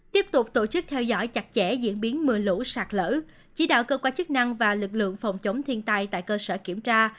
tiếp tục tổ chức theo dõi chặt chẽ diễn biến mưa lũ sạt lỡ chỉ đạo cơ quan chức năng và lực lượng phòng chống thiên tai